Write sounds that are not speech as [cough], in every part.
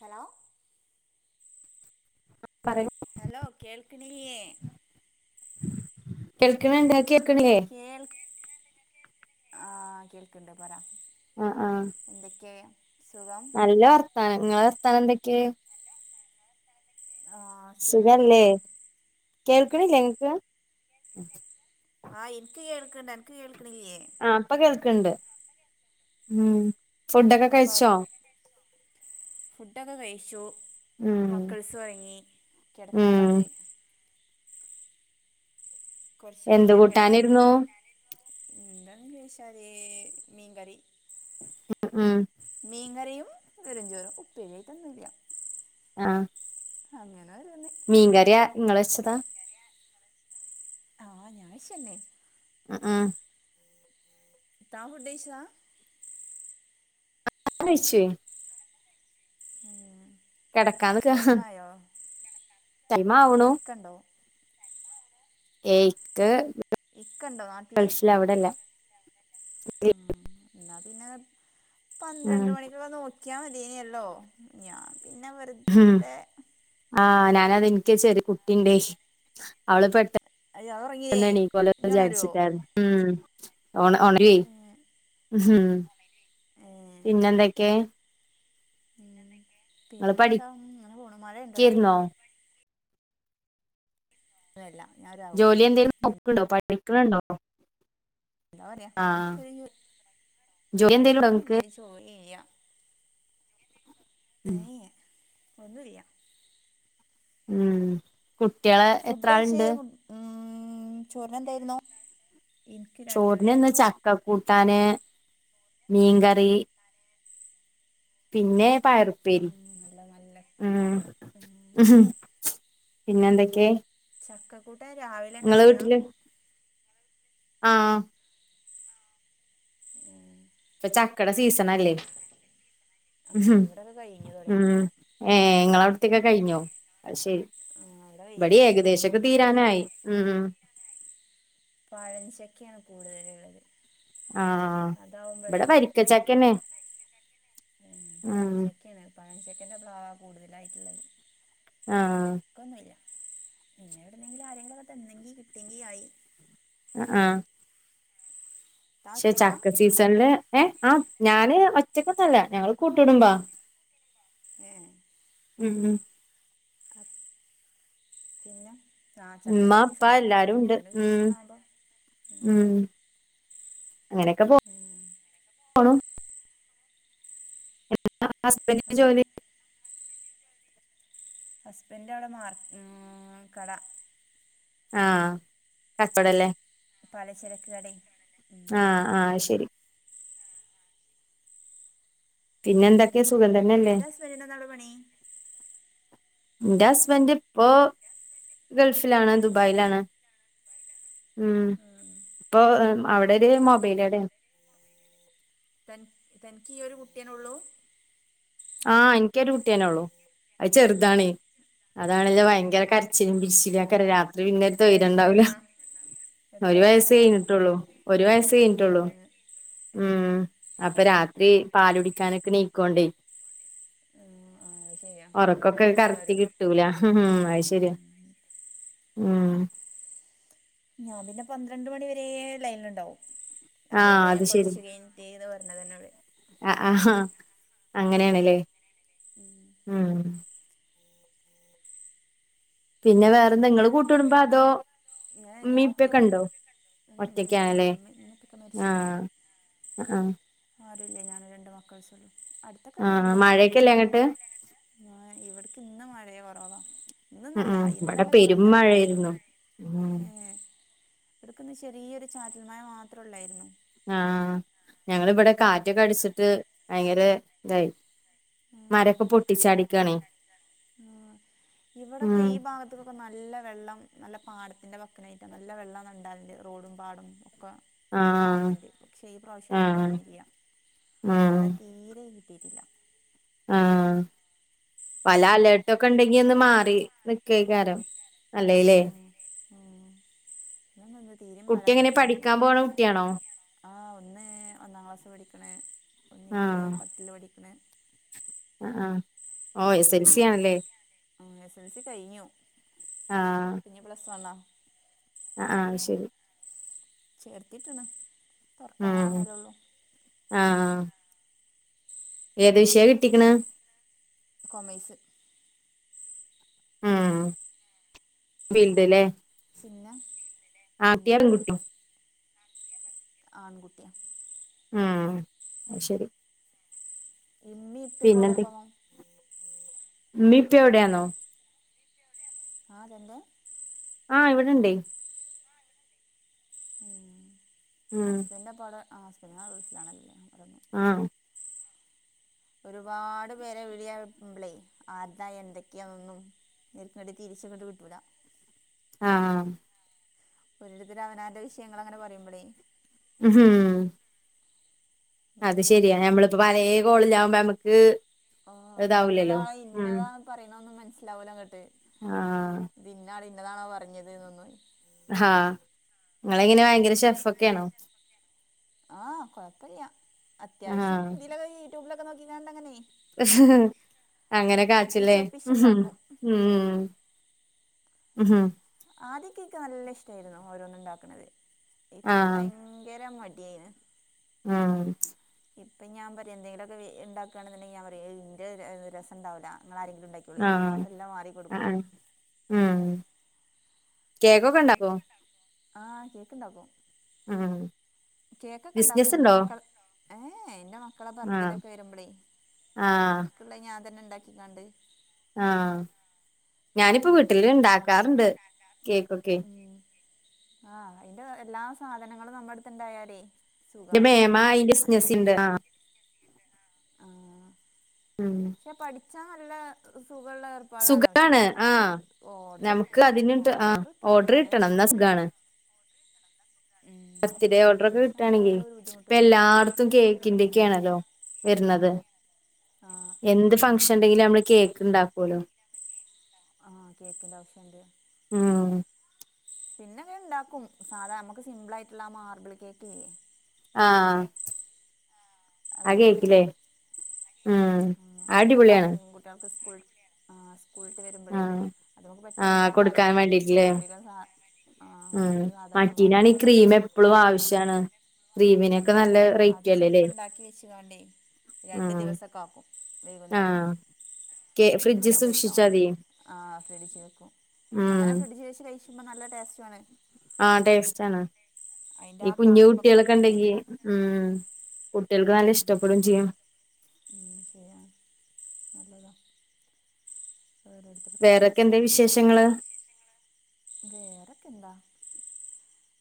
Hello ആ പറയു hello കേൾക്ക് ണി ല്ല്യേ കേൾക്കണ ണ്ട് കേൾക്കണില്ല്യേ കേൾ ആഹ കേൾക്കണ്ട് പറ ആഹ് ആഹ് എന്തൊക്കെ സുഖം നല്ല വർത്താനം ങ്ങളെ വർത്താനം എന്തൊക്കെ ആഹ സുഖല്ലേ കേൾക്കണില്ല്യേ ഇ ങ്ങക്ക് ആഹ് എനിക്ക് കേൾക്കണ്ട് അ നക്ക് കേൾക്കണില്ല്യേ ആ ഇ പ്പൊ കേൾക്കണ്ട് ഉ ഫുഡ് ക്കെ ന്നാ പറ കഴിച്ചോ ഫുഡൊക്കെ കഴിച്ചു ഉം മക്കൾസ് ഉ റങ്ങി ഉം കിടക്കാള്ളത് കുറച്ച് എന്ത് കഴിഞ്ഞാൽ കിടക്കും കൂട്ടാനായിരുന്നു എന്താന്ന്‌ ചോദിച്ചാല് മീൻകറി ഉ ഉം മീൻകറിയും വെറ് ഞ്ചോറും ഉപ്പേരി യിട്ടൊന്നുല്ല ആഹ അങ്ങനെ വരന്നെ മീൻകറിയ ഇങ്ങൾ വെച്ചതാ ആഹ് ഞാൻ വെച്ചന്നെ ഉം ഉം താൻ ഫുഡഴിച്ചതാ [unintelligible] വെയ്ച്ചെ ഏ കിടക്കാനിക്കാ യോ ടൈമാവുണു ക്കണ്ടോ ഏയ് ഇക്ക് ഇക്കണ്ടോ നാട്ടില് ഇല്ല ഇവടല്ല ഉം ഇന്നാ പിന്നെ ഉം പന്ത്രണ്ട് മണിക്കൊകെ നോക്ക് ക്യാ മത്യനല്ലോ ഞാൻ പിന്നെ വെറുത് ഉം ആഹ് ഞാനത് ഇൻക്ക് ചെറിയ കുട്ടിണ്ടേ അവള് പെട്ട അയാള് ഉറങ്ങീലേ ന്നെണീക്കോലോ ഇനി ഉണരുവോ വിചാരിച്ചിട്ടാരുന്ന് ഉം ഒണ ഒണരൊയ് ഏഹ് ഉം പിന്നെന്തൊക്കെ ഇങ്ങള് പിന്നെ എന്താ ഇങ്ങനെ പോണ് മഴ ഉണ്ടോടെ പഠിക്കായിരുന്നോ ഇല്ല ഞാൻ ഒരു ഹൗസ് ജോലി എന്തേലും നോക്ക്ണ്ടോ പഠിക്ക്ണ് ണ്ടോ എന്താ പറയാ എനിക്കയു ജോലി എന്തേലുണ്ടോ പഠിക്ക്ണുല്ല ഇങ്ങക്ക് എഷ് [unintelligible] യ്യ ഏഎ ഒന്നുല്ല്യ ഉം കുട്ടികളെ ഫുഡ് അഴ്ച്ച് ഉം ചോറിന് എന്തായിരുന്നു ചോറിന് ഇന്ന് ചക്ക കൂട്ടാന് മീൻകറി പിന്നെ പയറുപ്പേരി ഉം നല്ല നല്ല ഉം ഉം പിന്നെ എന്തൊക്കെ ചക്കക്കൂട്ടാൻ രാവിലെ ഇണ്ടാക്കിയതാ ആഹ് ഉം ഇപ്പ ചക്കട സീസണല്ലേ ആഹ് ഇവിടൊക്കെ കഴിഞ്ഞു തുടങ്ങി ഉം ഏഹ് ഇങ്ങള അവിടത്തെക്കെ കഴിഞ്ഞോ അത് ശരി ആഹ് അവിടെ ഇവിടെ കഴിഞ്ഞു ഏകദേശംക്കെ അവിടെ ഇനി തീരാനായി ഉം ഉം പഴഞ്ചക്കെയാണ് കൂടുതല് ഉള്ളത് ആഹ് ഇവിടെ വരിക്കച്ചക്കെന്നെ ഉം പഴഞ്ചക്കേണ് പഴഞ്ചക്കന്റെ പ്ലാവ് കൂടുതലായിട്ടുള്ളത് ആഹ് ഒക്കൊന്നുല്ല പിന്നെ എവിടെന്തെങ്കിലും ആരെങ്കിലൊക്കെ തന്നെങ്കി കിട്ടിയെങ്കി ആയി അ ആഹ് താൻ പക്ഷെ ഒറ്റക്കാ ചക്ക സീസണില് എ അ ഞാന് ഒറ്റക്കൊന്നല്ല ഞങ്ങള് കൂട്ട് കുടുംബ ഏഹ് ഉം ഉം അത് പിന്നെ ആ ഉമ്മ ചക്കന്റെ ഉപ്പ സീസണാ എല്ലാരും ഉണ്ട് ചക്കന്റെ ഉം സീസണാടോ ഉം അങ്ങനൊക്കെ പൊ ഉം കൊണും ഹസ്ബന്റ് അതാണ് ജോലി ഹസ്ബൻ് അവിടെ മാർ ഉം കട ആഹ കച്ചോടല്ലേ പലചരക്ക് കടെ ആഹ് ആഹ് ശരി പിന്നെ പിന്നെന്തക്കെയ സുഖം തന്നെല്ലേ തന്റെ ഹസ്ബൻഡിന് എന്താണ് പണി ന്റെ ഹസ്ബന്ഡ് ഇപ്പൊ ഗൾഫിലാണ് ദുബായിലാണ്. ഉം ഇപ്പോ അവിടൊര് മൊബൈല് കടയാ തൻ തനിക്ക് ഈയൊരു കുട്ടിയന്നൊള്ളൂ? ആഹ് എനിക്കൊരു കുട്ടിയന്നെള്ളു അത് ചെറ്താണേ അതാണല്ലൊ ഏ ഭയങ്കര കര [unintelligible] രാത്രി പിന്നെ എത്ര തൊയ്ല്ണ്ടാവൂല വയസ്സായതാ എത്ര ഒരു വയസ്സായതാ വയസയ്ഞ്ഞിട്ടൊള്ളു ഒരു ഏ വയസ്സയ്ഞ്ഞിട്ടൊള്ളു ഏ ഉം അപ്പ രാത്രി പാലുടിക്കാനൊക്കെണീക്കോണ്ട് ഏ ആഹ് ശരിയാ ഒറക്കൊക്കെ ഇടക്കിടക്ക് കററ്റ് ഉണരും കിട്ടൂല ഉം ഹ്ഹും അയ് ശരിയ ഉം ഉം ഞാൻ പിന്നെ പന്ത്രണ്ട് മണി വരേ ലൈൻലുണ്ടാവും. ആഹ് അതൊണ്ടാ അത് ഞാൻ കൊറച്ച് കൈഞ്ഞിട്ട്ന്ന് പറഞ്ഞതന്നോട് ആ ആ ഹാ അങ്ങനെയാണല്ലേ [unintelligible] ഉം പിന്നെ വേറെന്തെങ്ങള് കൂട്ട്കുടുമ്പാതോ ഞാൻ ഞാൻ ഉമ്മി ഒറ്റയ്ക്കാ ഉപ്പെക്കെണ്ടോ? ഉം ഉമ്മ ഒറ്റക്കാല്ലേ ഉപ്പയൊന്നുമില്ല ഉമ്മ ഉമ്മ ഉപ്പയൊക്കെ ആഹ് ആഹ് ആരൂല്ല ഞാനു രണ്ട് മക്കൾസും അടുത്തൊക്കെ ആഹ് വീട്ണ്ട് കൊറെ മഴയൊക്കെല്ലേ അങ്ങട്ട് ഇവിടെക്ക്ന്ന് മഴയെ കൊറവാ ഇന്ന് ഉം ന്നല്ല ഉം ഇവിടെ ഇന്നലെക്കെ പെരും നല്ല മഴായിര്ന്നു മഴയായിരുന്നു ഉം ഏഹ് ഇടുക്ക്ന്ന് ചെറിയൊരു ചാറ്റൽ മഴ മാത്രെള്ളായിരുന്നു ആഹ് ആഹ് ഞങ്ങളബിടെ കാറ്റൊക്കടിച്ചിട്ട് ഭയങ്കര ഇതായി. [inaudible] ഉം പൊട്ടിച്ചാടിക്കാണേ ഉം ഇവിടെക്കെ ഉം ഈ ഭാ ക്കെ നല്ല വെള്ളം നല്ല പാടത്തിന്റെ വക്കനായിട്ടാ നല്ല വെള്ളംന്നുണ്ടാല്ണ്ട് റോഡും പാടും ഒക്കെ ആഹ് ഒന്നാവലിണ്ട് പക്ഷേ ഈ പ്രാവശ്യാന്നു ആഹ് വന്നില്ല്യ ഉം മഴ തീരെ കിട്ടീട്ടില്ല. ആഹ് വല്ല എന്താവോ അലേർട്ടൊക്കെണ്ടെങ്കി ഒന്ന് മാറി നിക്കേക്കാരം. അല്ലേല്ലേ ഉം ഉം [unintelligible] ഒന്നും തീരെ മഴ കുട്ടി എങ്ങനെ വന്നിട്ടെന്നെ ഇല്ല പഠിക്കാൻ പോണ കുട്ട്യാണോ? ആ ഒന്ന് ഒന്നാം ക്ലാസ് പഠിക്കണ ഒന്ന് ന്ക്ക് ആഹ് പത്തില് പഠിക്കണേ ആഹ് ആഹ് ഓ എസ് എക് സി ആണല്ലേ എസ് എൽ സി കഴിഞ്ഞു ആഹ് പിന്നെ പ്ലസ് വണ്ണ ആ ആഹ് ശരി ചേർത്തിട്ടിണ് തൊറക്കാനാവണല്ലെള്ളോ ആഹ് ആഹ് ഏത്ഷയ കിട്ടിക്ക്ണ് കോമെഴ്‌സ് ആഹ് വീൽഡ്ല്ലേ പിന്നെ ഉം പെൺകുട്ടിയോ ആൺകുട്ടി ഉം [inaudible] [unintelligible] പിന്നെ ന്തൊക്കെ പോവാം ഉമ്മീപ്പെവിടെയാന്നോ..? ആ അതന്നെ ആഹ് ഇവിടെണ്ടേ ഉം ഉം ഹസ്ബൻഡ് അപ്പവിടെ ആ ഹസ്ബൻഡ് ഗൾഫിലാണല്ലോ ആഹ് ഒരുപാട് പേരെ വിളിയാവുമ്പളെ ആർട്ത എന്തൊക്കെയാന്നൊന്നും [unintelligible] തിരിച്ചങ്ങട്ട് കിട്ടൂല്ല. ആഹ് അഹ് ഓരോരുത്തര് അവനന്റെ വിഷയങ്ങൾ അങ്ങനെ പറയുമ്പളേ [unintelligible] അത് മറന്നു ശരിയാ, പോവും യെമ്മളിപ്പോ പലേ കോളിലാവുമ്പോമ്മക്ക് ആഹ് ഇന്നതാ ഇന്നതാ പറയണതൊന്നും മനസ്സിലാവൂലങ്ങട്ട്‌. ആഹ് ഇത് ഇന്നാള് ഇന്നതാണോ പറഞ്ഞതെന്നൊന്നും ആഹ്, ങ്ങളെങ്ങനെ ഭയങ്കര ഷെഫ് ഒക്കെയാണോ? ആ കൊഴപ്പില്ല അത്യാവശ്യം ആഹ് ഇതിലൊക്കെ യൂട്യൂബിലൊക്കെ നോക്കിക്കൊണ്ടങ്ങിനെയെ അങ്ങനെ കാച്വല്ലേ ഒപ്പിച്ചൊപ്പിച്ചുണ്ടാക്കും ഉം ഉഉം ആദ്യക്കെ ഇക്ക് നല്ല ഇഷ്ടായിരുന്നു ഓരോന്നുണ്ടാക്കണത് ഇപ്പം ആഹ് ഭയങ്കര മടിയായിന് ഉം ഇപ്പ ഞാൻ പറയാ എന്തെങ്കിലൊക്കെ ഉണ്ടാക്കുകയാണെങ്കിൽ ഞാൻ പറയും ഇന്റെ ര രസണ്ടാവില്ല നിങ്ങളാരെങ്കിലും ഉണ്ടാക്കിക്കോ [unintelligible] ആഹ് മെല്ലെ മാറി കൊടുക്കും ആഹ് ഉം കേക്കൊക്കെ ഒണ്ടാക്ക്വോ? ആ കേക്കുണ്ടാക്കും. ഉം കേക്കൊക്കെ ഉണ്ടാക്കും എന്റെ ബിസിനസുണ്ടോ? മക്കൾ ഏ എന്റെ മ മക്കളെ ആഹ് ഭബർത്ഡേക്കെ വരുമ്പളേ ആഹ് അവർക്കുള്ളത് ഞാൻതന്നെ ഇണ്ടാക്കിക്കാണ്ട് ആ ഞാനിപ്പോ വീട്ടില് ഉണ്ടാക്കാറുണ്ട് കേക്കൊക്കേ. ഉം ആ അതിന്റെ എല്ലാ സാധനങ്ങളും നമ്മടടുത്തുണ്ടായാലേ എന്റെ മേമ ഈ ബിസിനസ്‌ ഇണ്ട് ആ. ആ ഉം ക്ഷെ പഠിച്ചാ നല്ല ഒരു സുഖള്ള ഏർപ്പാടാണ്, പക്ഷെ സുഖാണ് നമുക്ക് ആഹ് ഓർഡർ നമുക്ക് ഉം അതിനിട്ട് ആഹ് ഓർഡർ ഓർഡർ കിട്ടണം എന്നാ സുഖാണ്. ഉം എന്നാ ബർത്ത്ഡേ സുഖാണ് ഓർഡറൊക്കെ പഠിച്ചാ കിട്ടുവാണെങ്കിൽ നല്ല ഒരു ബുദ്ധിമുട്ടില്ല ഇപ്പല്ലാടത്തും കേക്കിന്റെ ഉം ഒക്കെയാണല്ലോ വരുന്നത്. ആഹ് എന്ത് ആഹ് ഫംഗ്ഷൻ അതന്നെ ഉണ്ടെങ്കിലും നമ്മള് കേക്ക് ഉണ്ടാ വലോ ആ കേക്കിന്റോപ്ഷൻണ്ട്. ഉം പിന്നങ്ങനെ ഉണ്ടാക്കും സാധാ നമ്മുക്ക് സിമ്പിൾ ആയിട്ടുള്ള ആ മാർബിള് കേക്കില്ലേ ആ ആ അതറിയില്ലേ കേക്കില്ലേ? ഉം അടിപൊളിയാണ്. കുട്ട്യാൾക്ക് സ്കൂൾ ആ സ്കൂൾ വിട്ടു വരു ഉം ആ കൊടുക്കാൻ വേണ്ടിട്ടില്ലേ? അധികം സാ ആ ഉം അധികം സാധനമൊന്നും വേണ്ട മറ്റേനാണെ ക്രീം എപ്പളും അത് ആവശ്യാണ് ക്രീമിനൊക്കെ നല് ആ അത് ചെലപ്പുണ്ടാക്കി വെച്ചും കാണ്ടേ രണ്ടു ഉം ദിവസൊക്കെ ആക്കും. വൈന്നേരം ആഹ് കേ ഫ്രിഡ്ജ് വെരുമ്പം കഴിക്കാൻ സൂക്ഷിച്ചാ വേണ്ടി മതി ആ ഫ്രിഡിജി വെക്കും ഉം അങ്ങനെ ഫ്രിഡിജി വെച്ച് കഴിച്ച മ്പം നല്ല ടേസ്റ്റാണ്. ആ ടേസ്റ്റാണ്. അതിൻ്റെ ഈ ആ കുഞ്ഞു തണുപ്പൊക്കെ തട്ടുമ്പോഴേ കുട്ടികളൊക്കെണ്ടെങ്കി, ഉം കുട്ടികൾക്ക് നല്ല ഉം, ഇഷ്ടപ്പെടുവേം ചെയ്യും. ഉം ശരിയാ നല്ലതാ ഓരോർ ത്തർകോരോ വേറെക്കെ രസം. എന്താ വിശേഷങ്ങള് വേറെക്കെന്താ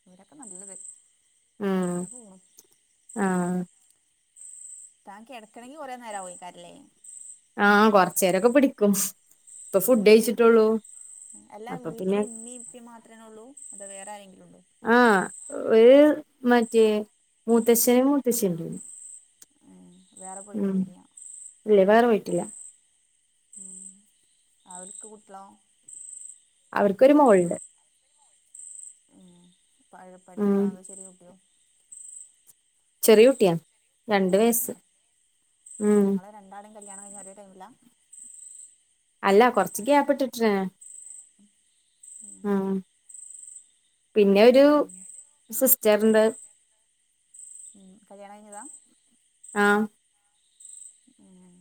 ഇവടെക്കെ നല്ലത്. ഉം അങ്ങനെ പോണ് ആഹ് താൻ കിടക്കണമെങ്കിൽ കൊറേ നേരാ വൊക്കാരം ലെ ആഹ് കൊറച്ചേരൊക്കെ പിടിക്കും ഇപ്പൊ ഫുഡ് കഴിച്ചിട്ടുള്ളൂ ഉം അല്ല അപ്പൊ പിന്നെ വീട്ടില് ഇമ്മീം ഇപ്പീ മാത്രേന്നെള്ളൂ അതോ വേറെ ആരെങ്കിലും ഉണ്ടോ? ആഹ് ഒരു മറ്റേ മൂത്തശ്ശനും മൂത്തശ്ശിണ്ട്. വേറെ പോയിട്ടൊന്നുല്ല ഇല്ലേ വേറെ പോയിട്ടില്ല ഉം അവർക്ക് കുട്ട്യളോ അവർക്കൊരു മോൾണ്ട് ഉം ഉം പഠിക്കാണോ അതോ ചെറിയ കുട്ടിയോ? ചെറിയ കുട്ടിയാ രണ്ട് വയസ്സ് അപ്പ ഉം ങ്ങളെ രണ്ടാളേം കല്യാണം കഴ്ഞ്ഞേ ഒരേ ടൈമിലാ അല്ല കൊറച്ച് ഗ്യാപ്പ്ട്ടിട്ട്ണ് ഉം പിന്നെ ഒരു സിസ്റ്റർണ്ട് കല്യാണം കഴിഞ്ഞതാ ആഹ് ഏഹ്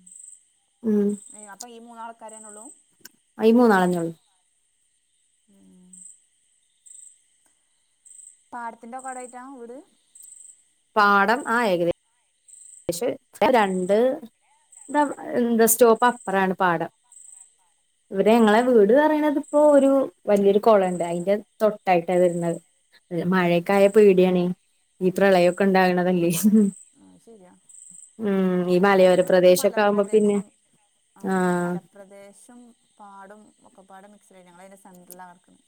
ഉം അപ്പ ഈ മൂന്നാൾക്കാരെന്നെള്ളൂ ഇ മൂന്നാളന്നെള്ളൂ ഏഹ് പാടത്തിന്റക്കോടായിട്ട വീട്? പാടം ആ ഏക ക്ഷെ രണ്ട് ന്താ എന്താ സ്റ്റോപ്പ് അപ്പറാണ് പാടം [inaudible] ഇവിടെ ഞങ്ങളെ വീട് പറയണതിപ്പോ ഒരു വലിയൊരു കൊളണ്ട് അതിന്റെ തൊട്ടായിട്ടാണ് വര്ന്നെ. മഴക്കായ പേടിയാണെ ഈ പ്രളയൊക്കെ ണ്ടാക്ണതല്ലേ ആഹ് ശര്യാ ഞങ്ങൾത് മലയോര വടൊരു പ്രദേശൊക്കെ ആവുമ്പോ പിന്നെ മലപ്രദേശം ആ ആഹ് മല പ്രദേശം പാടും ഒക്കെപാടെ മിക്സഡായി ഞങ്ങളയ്ന്റെ സെൻന്ററിലാണ് കട്ക്കണേ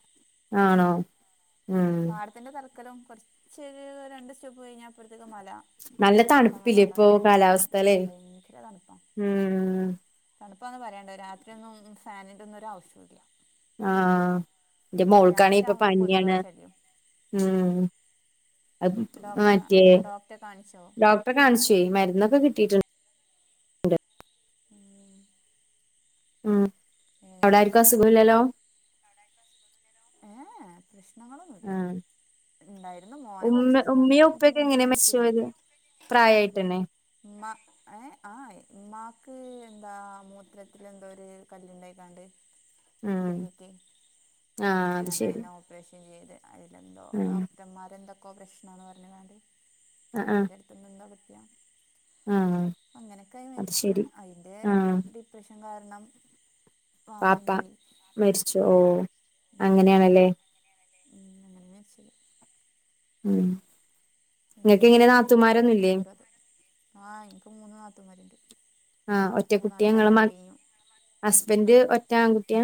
ആണോ ഉം ത്തിൻ്റെ തലക്കലും കൊർചൊരു രണ്ട് സ്റ്റോപ്പ് കയ്ഞ്ഞാപ്പോർത്തേക്ക് മല നല്ല തണുപ്പില്ലേ ഇപ്പൊ മലകളാക്ക കാലാവസ്ഥല്ലേ ദയങ്കര തൺപ്പാ ഉം തണുപ്പാന്ന് പറയാണ്ടോ രാത്രിയൊന്നും ഫാനിന്റെന്നും ഒരു ആവശ്യുല്ല ആഹ് ന്റെ മോൾക്കാണെ രാവിലെ പ്പൊ ആകുമ്പോ പനിയാണ് കൊതുകളെ ശല്യം ഉം അ ഡോക്ടറെ മാറ്റേ ഡോക്ടറെ കാണിച്ചോ ഡോ റെ കാണിച്ചേ മര്ന്നൊക്കെ കിട്ടിട്ട് ഏഹ് ഉം അവ്ടാര്ക്കും അസുഖല്ലല്ലോ? ഏ എ പ്രശ്നങ്ങളൊന്നുല്ല ആഹ് ണ്ടായിരുന്നു മോന് ഉമ്മ കൊറച്ചിസം മുമ്പ് പനിച്ചിരുന്നു പ്രായംആയിട്ടന്നെ ഉമ്മ ഏഹ് ആഹ് മ്മാക്ക് എന്താ മൂത്രത്തിലെ ന്തോരു കല്ല്ണ്ടായിക്കാണ്ട് ഉം കിഡ്‌നിക്കെ ആഹ് അത് കല്ല്ണ്ടായികാണ്ട് ശരി അയ്നോ ഓപ്പറേഷൻ ചെയ്ത് അയിലെന്തോ ആഹ് ഡോക്ടർമാരെന്തൊക്കോ പ്രശ്നാന്ന് പറഞ്കാണ്ട് ആഹ് ഒരാട്തന്ന് ന്തോ പറ്റിയാ ആഹ് അങ്ങനെക്കായി അത് മരിച്ച് ശരി അയ്ന്റെ ആഹ് ഡിപ്രഷൻ കാരണം. വാപ്പിം വാപ്പ പോയി ഉം ഉം അങ്ങനയാണല്ലേ നമ്മന്ന ശരി ഉം എന്താ നിങ്ങൾക്ക് എങ്ങനെ ചെയ്യാ നാത്തൂമാരൊന്നും ഇല്ലേ? ഓരോതർക് ഓരോത് ആ എനിക്ക് മൂന്നു നത്തൂന്മാരുണ്ട് ആഹ് ഒറ്റ കുട്ടിയങ്ങളമ ഹസ്ബൻഡ് ഒറ്റ ആൺകുട്ടിയ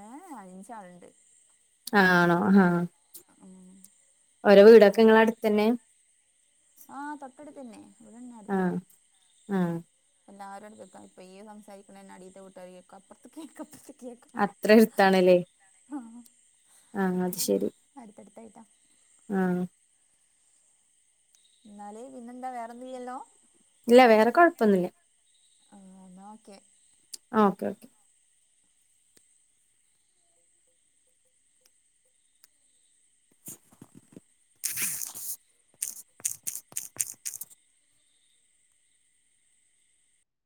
ഏഹ് അഞ്ചാള്ണ്ട് ആണോ ആഹ് ഉം ഓരോ വീടൊക്കെ ങ്ങളടുത്തന്നെ ആഹ് തൊട്ടടുത്തന്നെ ഇവിടന്നെ അടുത്തന്നെ ആഹ് ആഹ് എല്ലാരും എടുക്കത്ത ഇപ്പൊ ഈ സംസാരികണന്നെ അടീത്ത വിട്ടര് കേക്വ അപ്പർത് കേക് [unintelligible] അത്ര എര്ത്താണല്ലേ ആഹ് ആഹ് അത് ശരി അടുത്തടുത്തായിട്ടാ അഹ് എന്നാല് പിന്നെന്താ വേറോന്നുല്ലല്ലോ ഇല്ല വേറെ കൊഴ്പ്പൊന്നുല്ലേ ആഹ് ന്ന ഓക്കെ ആഹ് ഓക്കെ ഓക്കെ [inaudible]